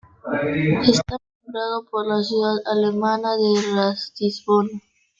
Está nombrado por la ciudad alemana de Ratisbona.